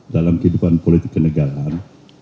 dalam kehidupan politik kenegaraan